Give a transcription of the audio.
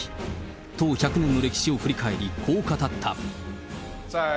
党１００年を歴史を振り返り、こう語った。